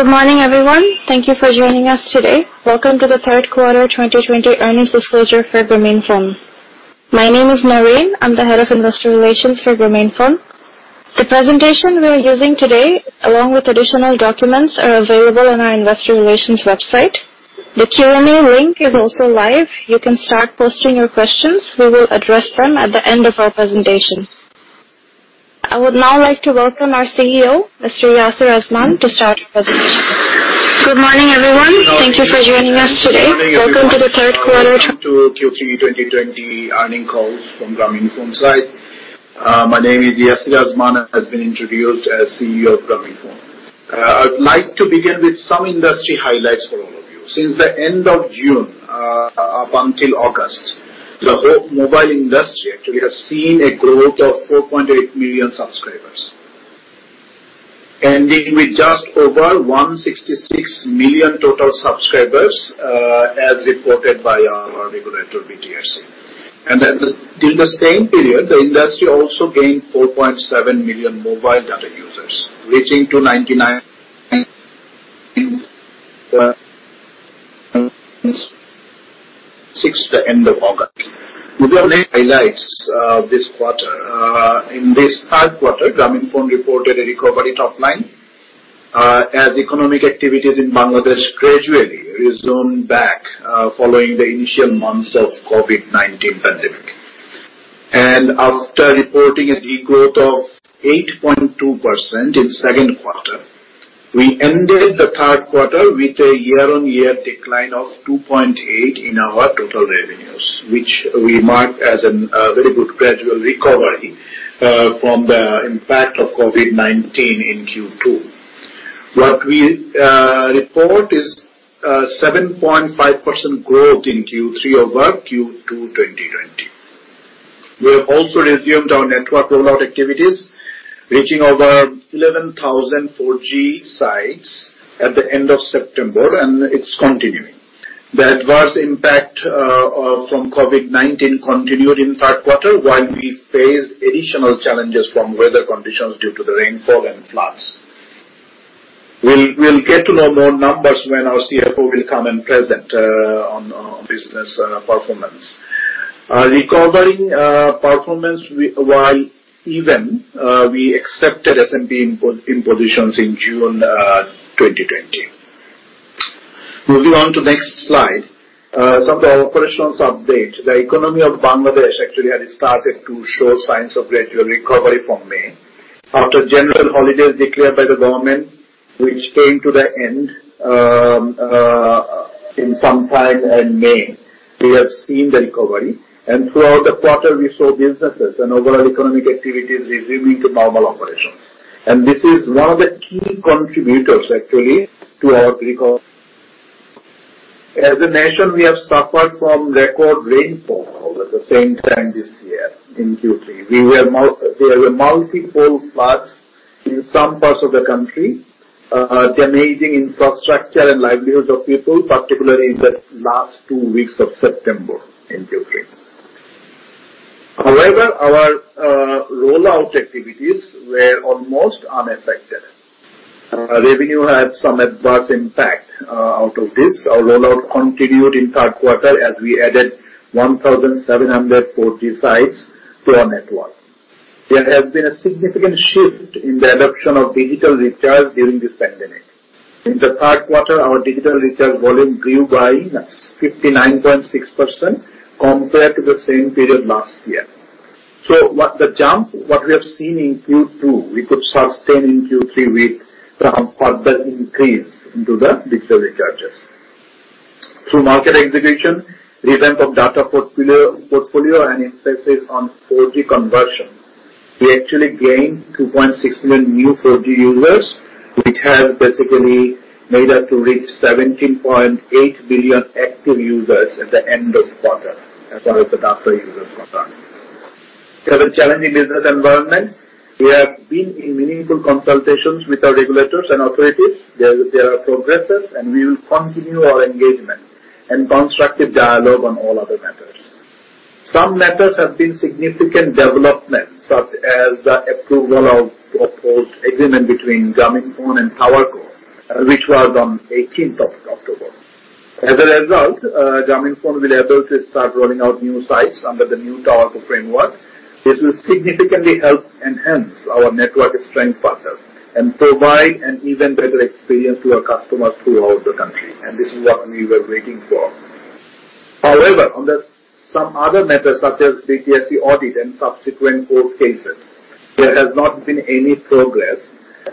Good morning, everyone. Thank you for joining us today. Welcome to the third quarter 2020 earnings disclosure for Grameenphone. My name is Naureen, I'm the head of investor relations for Grameenphone. The presentation we are using today, along with additional documents, are available on our investor relations website. The Q&A link is also live. You can start posting your questions. We will address them at the end of our presentation. I would now like to welcome our CEO, Mr. Yasir Azman, to start the presentation. Good morning, everyone. Welcome to Q3 2020 earnings calls from Grameenphone side. My name is Yasir Azman, as been introduced as CEO of Grameenphone. I'd like to begin with some industry highlights for all of you. Since the end of June, up until August, the whole mobile industry actually has seen a growth of 4.8 million subscribers, ending with just over 166 million total subscribers, as reported by our regulator, BTRC. Within the same period, the industry also gained 4.7 million mobile data users, reaching to 99 since the end of August. Moving on to highlights of this quarter. In this third quarter, Grameenphone reported a recovery top line, as economic activities in Bangladesh gradually resumed back, following the initial months of COVID-19 pandemic. After reporting a de-growth of 8.2% in second quarter, we ended the third quarter with a year-on-year decline of 2.8% in our total revenues, which we mark as a very good gradual recovery from the impact of COVID-19 in Q2. What we report is 7.5% growth in Q3 over Q2 2020. We have also resumed our network rollout activities, reaching over 11,000 4G sites at the end of September, and it's continuing. The adverse impact from COVID-19 continued in third quarter, while we faced additional challenges from weather conditions due to the rainfall and floods. We'll get to know more numbers when our CFO will come and present on business performance. Recovering performance while even we accepted SMP impositions in June 2020. Moving on to next slide. Some of the operations update. The economy of Bangladesh actually had started to show signs of gradual recovery from May. After general holidays declared by the government, which came to the end in some time in May, we have seen the recovery, throughout the quarter, we saw businesses and overall economic activities resuming to normal operations. This is one of the key contributors actually to our recovery. As a nation, we have suffered from record rainfall at the same time this year in Q3. There were multiple floods in some parts of the country, damaging infrastructure and livelihood of people, particularly the last two weeks of September in Q3. However, our rollout activities were almost unaffected. Revenue had some adverse impact out of this. Our rollout continued in third quarter as we added 1,700 4G sites to our network. There has been a significant shift in the adoption of digital recharge during this pandemic. In the third quarter, our digital recharge volume grew by 59.6% compared to the same period last year. The jump, what we have seen in Q2, we could sustain in Q3 with further increase into the digital recharges. Through market execution, revamp of data portfolio, and emphasis on 4G conversion, we actually gained 2.6 million new 4G users, which have basically made up to reach 17.8 million active users at the end of quarter as far as the data user concerned. We have a challenging business environment. We have been in meaningful consultations with our regulators and authorities. There are progresses, and we will continue our engagement and constructive dialogue on all other matters. Some matters have been significant developments, such as the approval of proposed agreement between Grameenphone and TowerCo, which was on 18th of October. As a result, Grameenphone will be able to start rolling out new sites under the new TowerCo framework. This will significantly help enhance our network strength partners and provide an even better experience to our customers throughout the country. This is what we were waiting for. However, on some other matters, such as BTRC audit and subsequent court cases, there has not been any progress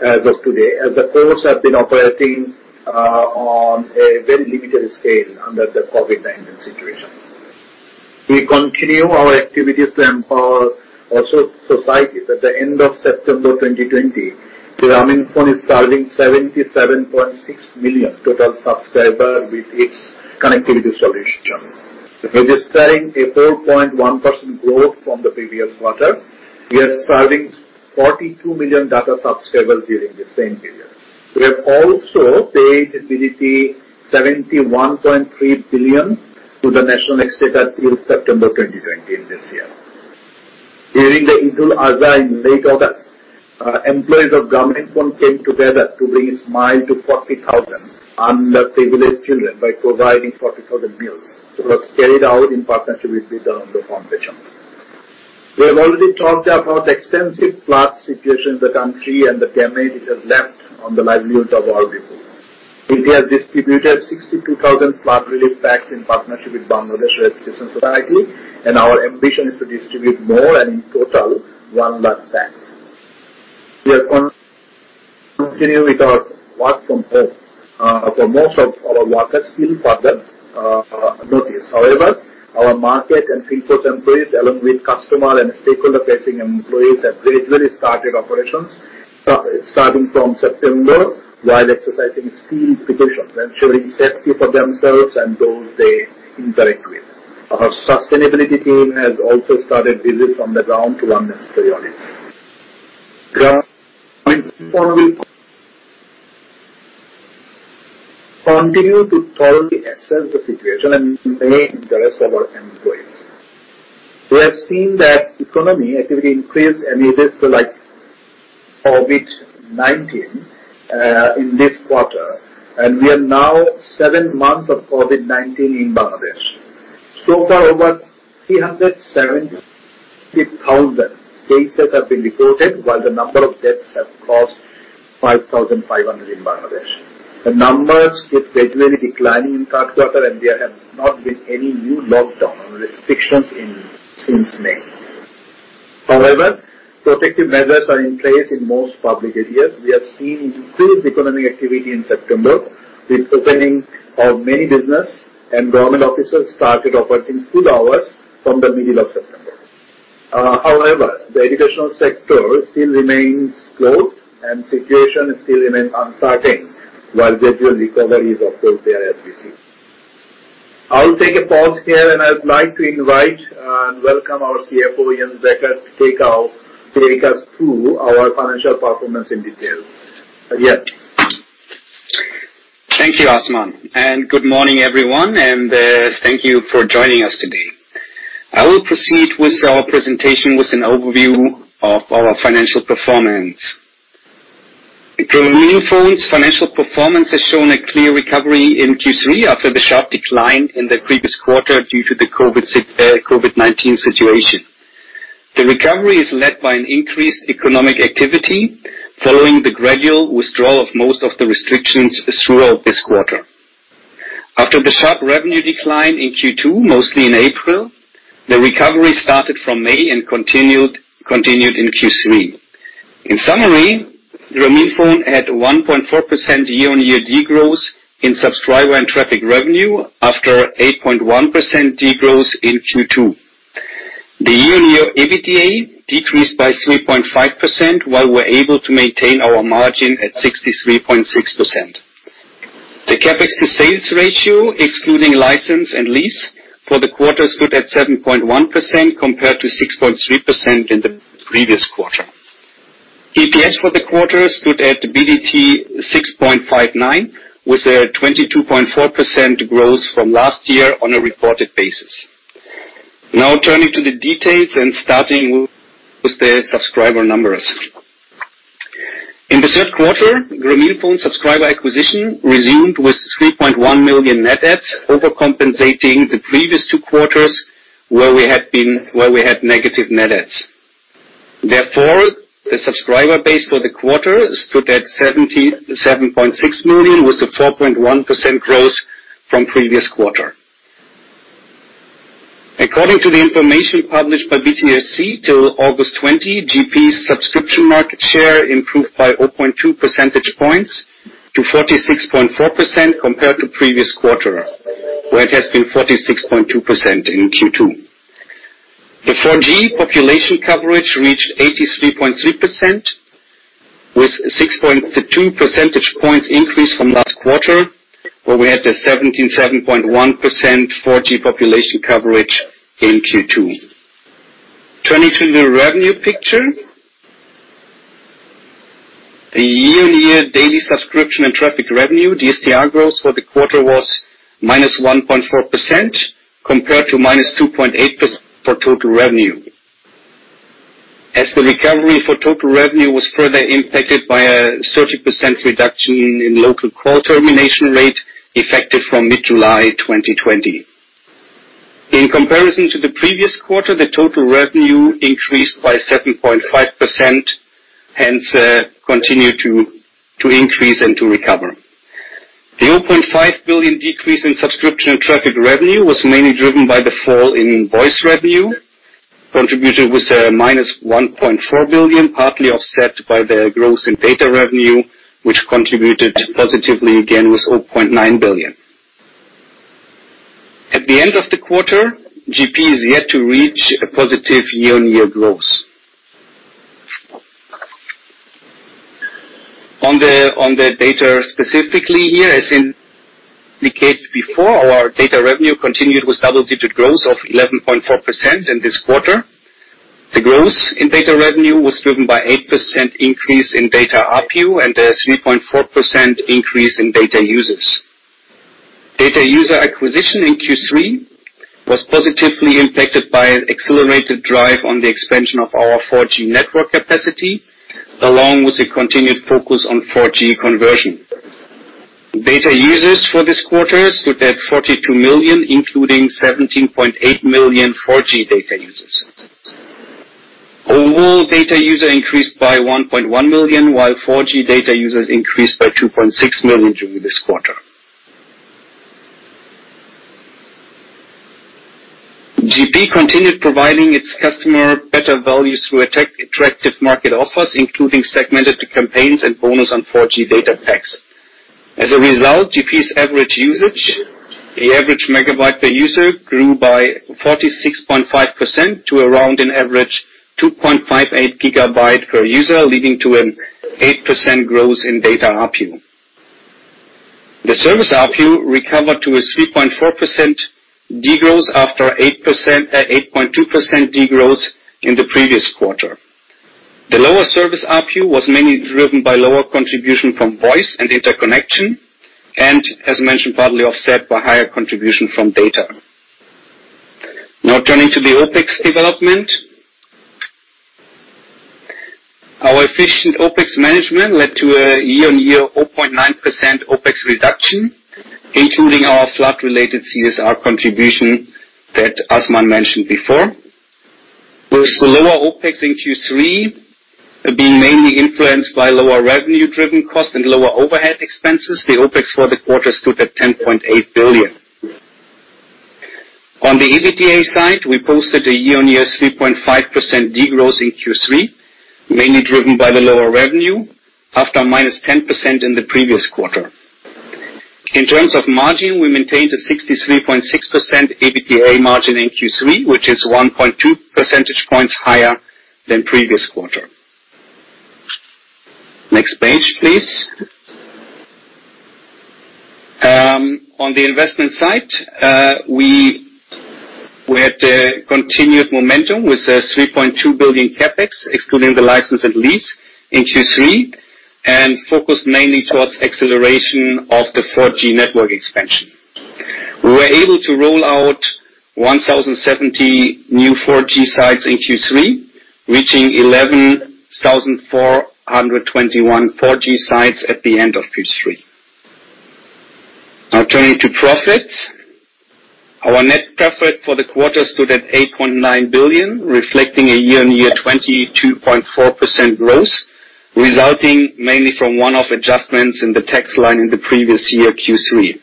as of today, as the courts have been operating on a very limited scale under the COVID-19 situation. We continue our activities to empower our society. At the end of September 2020, Grameenphone is serving 77.6 million total subscriber with its connectivity solution. Registering a 4.1% growth from the previous quarter, we are serving 42 million data subscribers during the same period. We have also paid BDT 71.3 billion to the national exchequer till September 2020 in this year. During the Eid al-Adha in late August, employees of Grameenphone came together to bring smile to 40,000 underprivileged children by providing 40,000 meals. It was carried out in partnership with the Rondo Foundation. We have already talked about the extensive flood situation in the country and the damage it has left on the livelihood of our people. We have distributed 62,000 flood relief packs in partnership with Bangladesh Red Crescent Society. Our ambition is to distribute more and in total 1 lakh packs. We are going to continue with our work from home for most of our workers till further notice. However, our market and field force employees, along with customer and stakeholder-facing employees, have gradually started operations starting from September while exercising extreme precautions, ensuring safety for themselves and those they interact with. Our sustainability team has also started visits on the ground to run necessary audits. Grameenphone will continue to thoroughly assess the situation and in the interest of our employees. We have seen that economic activity increase and resist the likes of COVID-19 in this quarter. We are now seven months of COVID-19 in Bangladesh. So far, over 370,000 cases have been reported, while the number of deaths have crossed 5,500 in Bangladesh. The numbers keep gradually declining in third quarter. There have not been any new lockdown or restrictions since May. However, protective measures are in place in most public areas. We have seen increased economic activity in September with opening of many businesses. Government offices started operating full hours from the middle of September. However, the educational sector still remains closed. Situation still remains uncertain while gradual recovery is, of course, there as we see. I'll take a pause here. I'd like to invite and welcome our CFO, Jens Becker, to take us through our financial performance in details. Jens. Thank you, Azman, and good morning, everyone, and thank you for joining us today. I will proceed with our presentation with an overview of our financial performance. Grameenphone's financial performance has shown a clear recovery in Q3 after the sharp decline in the previous quarter due to the COVID-19 situation. The recovery is led by an increased economic activity following the gradual withdrawal of most of the restrictions throughout this quarter. After the sharp revenue decline in Q2, mostly in April, the recovery started from May and continued in Q3. In summary, Grameenphone had 1.4% year-on-year de-growth in subscriber and traffic revenue after 8.1% de-growth in Q2. The year-on-year EBITDA decreased by 3.5%, while we're able to maintain our margin at 63.6%. The CapEx to sales ratio, excluding license and lease, for the quarter stood at 7.1% compared to 6.3% in the previous quarter. EPS for the quarter stood at BDT 6.59, with a 22.4% growth from last year on a reported basis. Turning to the details and starting with the subscriber numbers. In the third quarter, Grameenphone subscriber acquisition resumed with 3.1 million net adds overcompensating the previous two quarters where we had negative net adds. The subscriber base for the quarter stood at 77.6 million, with a 4.1% growth from previous quarter. According to the information published by BTRC till August 20, GP's subscription market share improved by 0.2 percentage points to 46.4% compared to previous quarter, where it has been 46.2% in Q2. The 4G population coverage reached 83.3%, with 6.2 percentage points increase from last quarter, where we had a 77.1% 4G population coverage in Q2. Turning to the revenue picture. The year-on-year daily subscription and traffic revenue, DSTR, growth for the quarter was -1.4% compared to -2.8% for total revenue, as the recovery for total revenue was further impacted by a 30% reduction in local call termination rate effective from mid-July 2020. In comparison to the previous quarter, the total revenue increased by 7.5%, hence continued to increase and to recover. The BDT 0.5 billion decrease in subscription and traffic revenue was mainly driven by the fall in voice revenue, contributed with a BDT -1.4 billion, partly offset by the growth in data revenue, which contributed positively again with BDT 0.9 billion. At the end of the quarter, GP is yet to reach a positive year-on-year growth. On the data specifically here, as indicated before, our data revenue continued with double-digit growth of 11.4% in this quarter. The growth in data revenue was driven by 8% increase in data ARPU and a 3.4% increase in data users. Data user acquisition in Q3 was positively impacted by an accelerated drive on the expansion of our 4G network capacity, along with a continued focus on 4G conversion. Data users for this quarter stood at 42 million, including 17.8 million 4G data users. Overall data user increased by 1.1 million, while 4G data users increased by 2.6 million during this quarter. GP continued providing its customer better value through attractive market offers, including segmented campaigns and bonus on 4G data packs. As a result, GP's average usage, the average megabyte per user grew by 46.5% to around an average 2.58 GB per user, leading to an 8% growth in data ARPU. The service ARPU recovered to a 3.4% de-growth after 8.2% de-growth in the previous quarter. The lower service ARPU was mainly driven by lower contribution from voice and interconnection, and as mentioned, partly offset by higher contribution from data. Now turning to the OpEx development. Our efficient OpEx management led to a year-on-year 0.9% OpEx reduction, including our flood-related CSR contribution that Azman mentioned before. With lower OpEx in Q3 being mainly influenced by lower revenue-driven costs and lower overhead expenses, the OpEx for the quarter stood at BDT 10.8 billion. On the EBITDA side, we posted a year-on-year 3.5% de-growth in Q3, mainly driven by the lower revenue after minus 10% in the previous quarter. In terms of margin, we maintained a 63.6% EBITDA margin in Q3, which is 1.2 percentage points higher than previous quarter. Next page, please. On the investment side, we had a continued momentum with BDT 3.2 billion CapEx, excluding the license and lease in Q3, and focused mainly towards acceleration of the 4G network expansion. We were able to roll out 1,070 new 4G sites in Q3, reaching 11,421 4G sites at the end of Q3. Our net profit for the quarter stood at BDT 8.9 billion, reflecting a year-on-year 22.4% growth, resulting mainly from one-off adjustments in the tax line in the previous year Q3.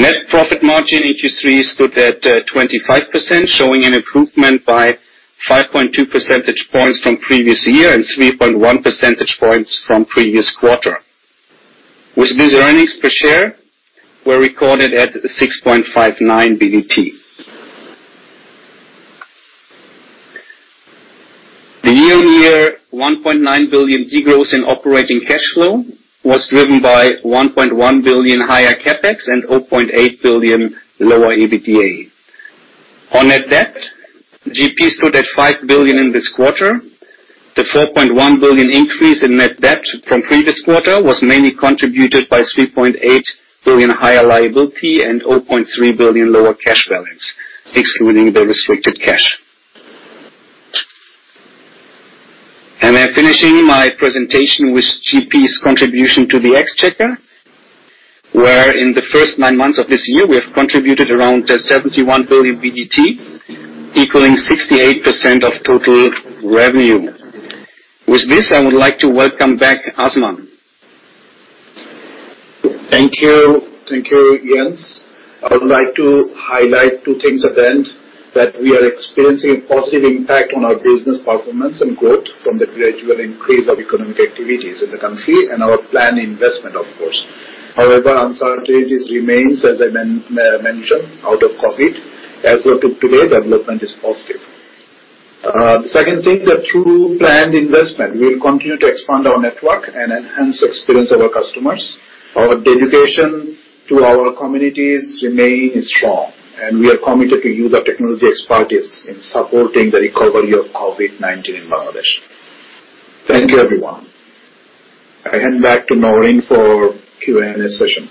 Net profit margin in Q3 stood at 25%, showing an improvement by 5.2 percentage points from previous year and 3.1 percentage points from previous quarter. With this earnings per share were recorded at BDT 6.59. The year-on-year BDT 1.9 billion de-growth in operating cash flow was driven by BDT 1.1 billion higher CapEx and BDT 0.8 billion lower EBITDA. On net debt, GP stood at BDT 5 billion in this quarter. The BDT 4.1 billion increase in net debt from previous quarter was mainly contributed by BDT 3.8 billion higher liability and BDT 0.3 billion lower cash balance, excluding the restricted cash. I'm finishing my presentation with GP's contribution to the exchequer, where in the first nine months of this year, we have contributed around BDT 71 billion, equaling 68% of total revenue. With this, I would like to welcome back Azman. Thank you. Thank you, Jens. I would like to highlight two things at the end, that we are experiencing a positive impact on our business performance and growth from the gradual increase of economic activities in the country and our planned investment, of course. However, uncertainties remains, as I mentioned, out of COVID. As of today, development is positive. The second thing, that through planned investment, we will continue to expand our network and enhance experience of our customers. Our dedication to our communities remain strong, and we are committed to use our technology expertise in supporting the recovery of COVID-19 in Bangladesh. Thank you, everyone. I hand back to Naureen for Q&A session.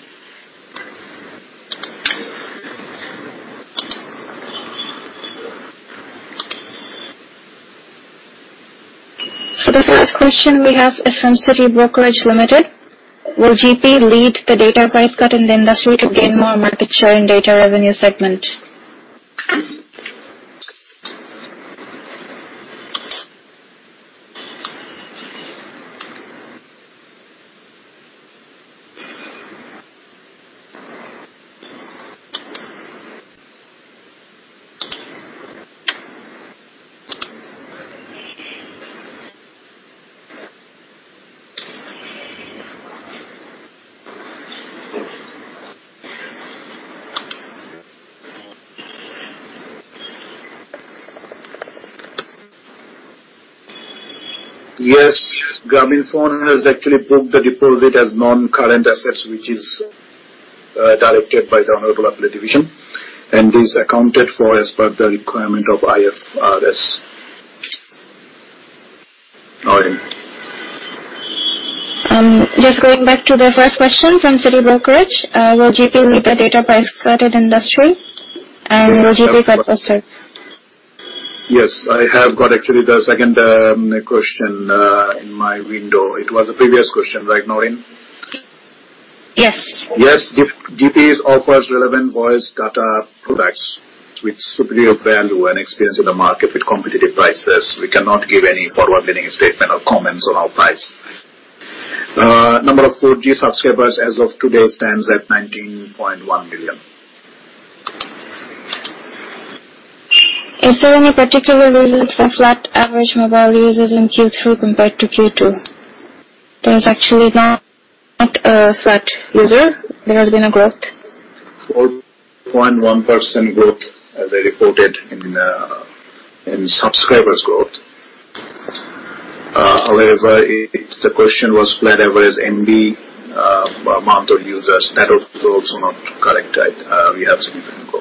The first question we have is from City Brokerage Limited. Will GP lead the data price cut in the industry to gain more market share in data revenue segment? Yes. Grameenphone has actually booked the deposit as non-current assets, which is directed by the Honorable Appellate Division, and is accounted for as per the requirement of IFRS. Naureen. Just going back to the first question from City Brokerage. Will GP lead the data price-cutted industry and will GP cut also? Yes, I have got actually the second question in my window. It was a previous question, right, Naureen? Yes. Yes. GP offers relevant voice data products with superior value and experience in the market at competitive prices. We cannot give any forward-looking statement or comments on our price. Number of 4G subscribers as of today stands at 19.1 million. Is there any particular reason for flat average mobile users in Q3 compared to Q2? There is actually not a flat user. There has been a growth. 4.1% growth, as I reported in subscribers growth. However, if the question was flat average MB amount of users, that is also not correct. We have significant growth.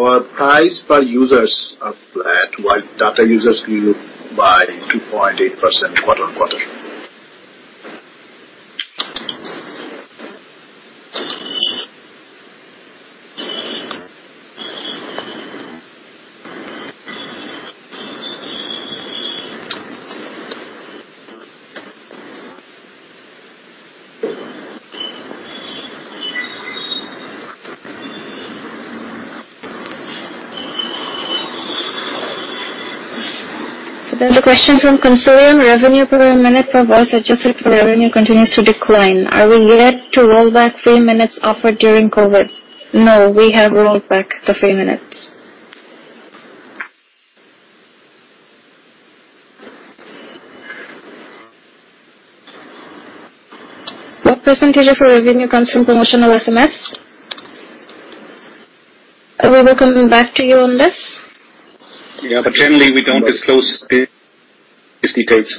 Our price per users are flat while data users grew by 2.8% quarter-over-quarter. There's a question from Consilium. Revenue per minute for voice adjusted for revenue continues to decline. Are we yet to roll back free minutes offered during COVID? No, we have rolled back the free minutes. What percentage of our revenue comes from promotional SMS? We will come back to you on this. Yeah. Generally, we don't disclose these details.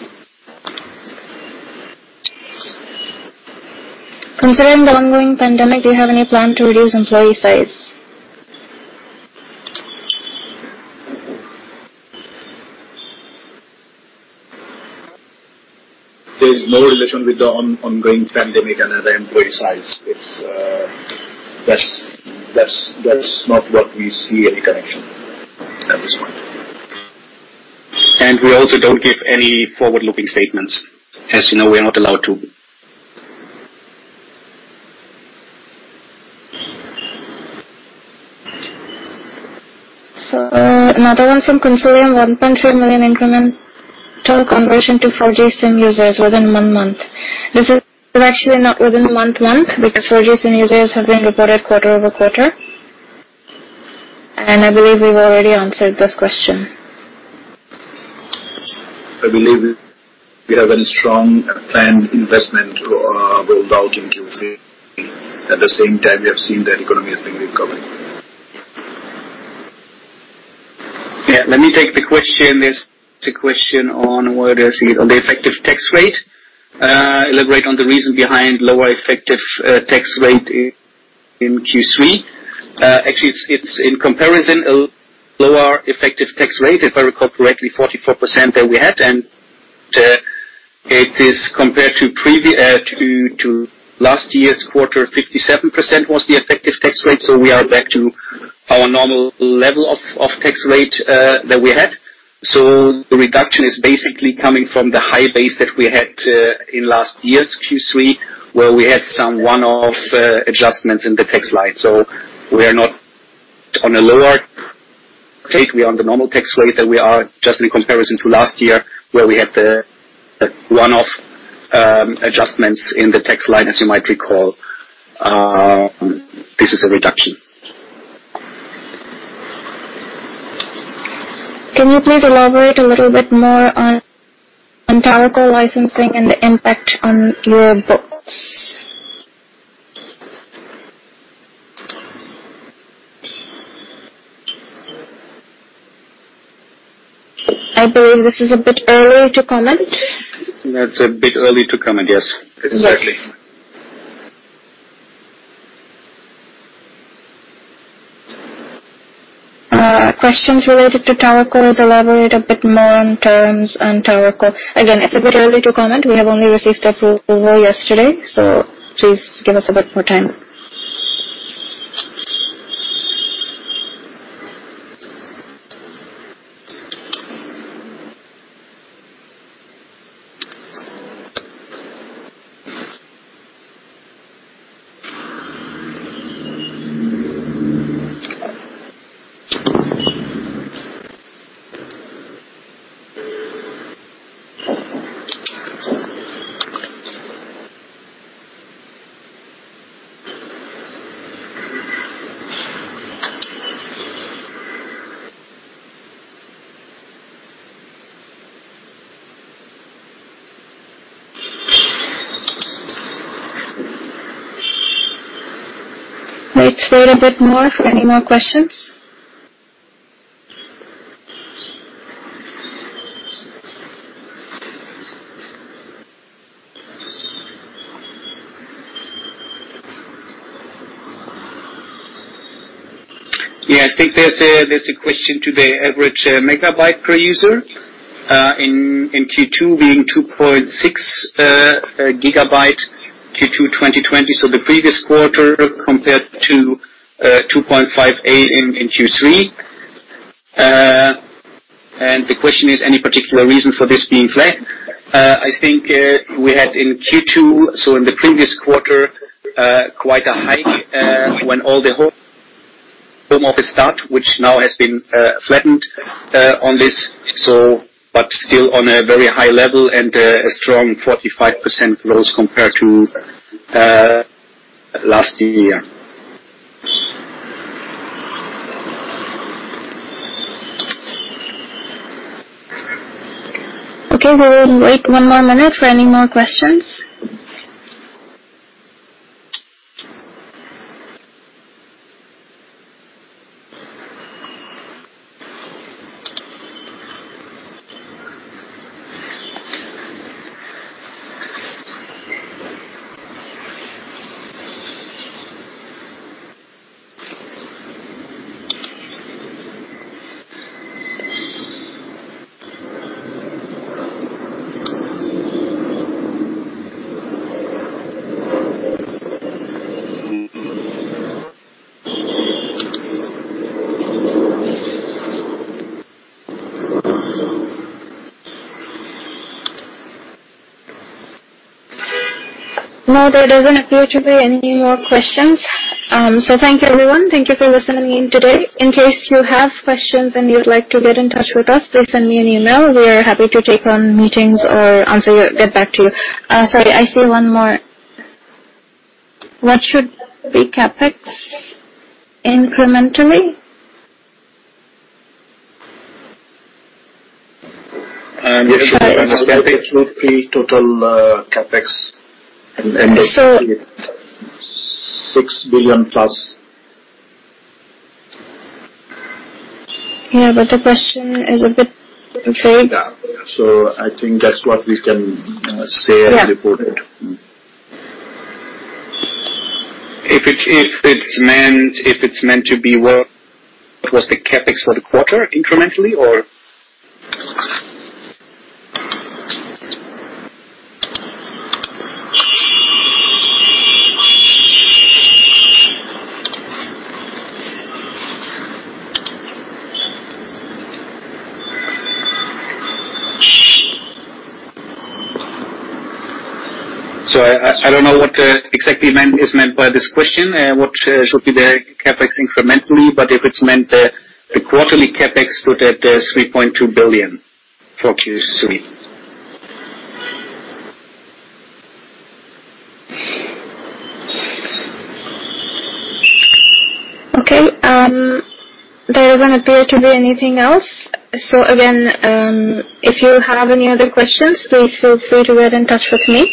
Considering the ongoing pandemic, do you have any plan to reduce employee size? There's no relation with the ongoing pandemic and the employee size. That's not what we see any connection at this point. We also don't give any forward-looking statements. As you know, we are not allowed to. Another one from Consilium. 1.3 million incremental conversion to 4G SIM users within one month. This is actually not within one month because 4G SIM users have been reported quarter-over-quarter, and I believe we've already answered this question. I believe we have a strong planned investment rolled out in Q3. At the same time, we have seen the economy has been recovering. Let me take the question. There's a question on, where is it? On the effective tax rate. Elaborate on the reason behind lower effective tax rate in Q3. Actually, it's in comparison a lower effective tax rate, if I recall correctly, 44% that we had, and it is compared to last year's quarter, 57% was the effective tax rate. We are back to our normal level of tax rate that we had. The reduction is basically coming from the high base that we had in last year's Q3, where we had some one-off adjustments in the tax life. We are not on a lower rate. We are on the normal tax rate that we are, just in comparison to last year, where we had the one-off adjustments in the tax line, as you might recall. This is a reduction. Can you please elaborate a little bit more on TowerCo licensing and the impact on your books? I believe this is a bit early to comment. That's a bit early to comment, yes. Exactly. Yes. Questions related to TowerCo. Please elaborate a bit more on terms on TowerCo. It's a bit early to comment. We have only received approval yesterday, so please give us a bit more time. Let's wait a bit more for any more questions. Yeah, I think there's a question to the average megabyte per user in Q2 being 2.6 GB, Q2 2020, so the previous quarter compared to 2.58 in Q3. The question is, any particular reason for this being flat? I think we had in Q2, so in the previous quarter, quite a hike when all the home office start, which now has been flattened on this, but still on a very high level and a strong 45% growth compared to last year. Okay. We'll wait one more minute for any more questions. No, there doesn't appear to be any more questions. Thank you everyone. Thank you for listening in today. In case you have questions and you'd like to get in touch with us, please send me an email. We are happy to take on meetings or get back to you. Sorry, I see one more. What should be CapEx incrementally? It should be total CapEx BDT 6 billion plus. Yeah. The question is a bit vague. Yeah. I think that's what we can say as reported. If it's meant to be what was the CapEx for the quarter incrementally or I don't know what exactly is meant by this question, what should be the CapEx incrementally, but if it's meant the quarterly CapEx put at BDT 3.2 billion for Q3. Okay. There doesn't appear to be anything else. Again, if you have any other questions, please feel free to get in touch with me.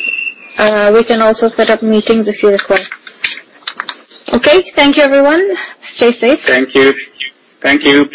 We can also set up meetings if you require. Okay. Thank you, everyone. Stay safe. Thank you. Thank you.